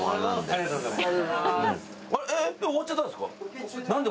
ありがとうございます。